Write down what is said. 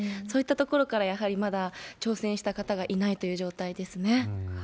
そういったところから、やはりまだ挑戦した方がいないという状態ですね。